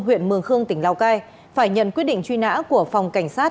huyện mường khương tỉnh lào cai phải nhận quyết định truy nã của phòng cảnh sát